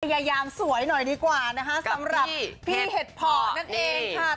ยายามสวยหน่อยกว่าสำหรับพี่เหล้ะเหด่์เพราะนักเองค่ะ